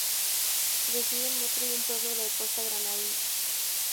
Reside en Motril, un pueblo de la costa granadina.